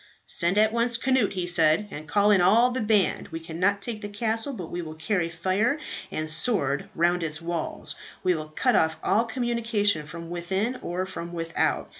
"Send at once, Cnut," he said, "and call in all the band. We cannot take the castle; but we will carry fire and sword round its walls. We will cut off all communication from within or from without.